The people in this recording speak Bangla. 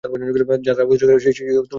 যাকে পতিতা বলছ, সেও তো মহামায়াই।